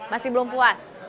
masih belum puas